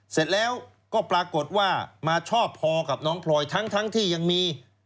เสร็จแล้วก็ปรากฏว่ามาชอบพอกับน้องพลอยทั้งที่ยังมี